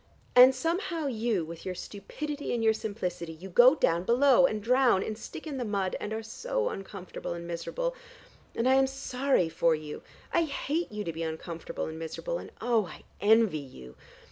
And somehow you with your stupidity and your simplicity, you go down below, and drown, and stick in the mud, and are so uncomfortable and miserable. And I am sorry for you: I hate you to be uncomfortable and miserable, and oh, I envy you.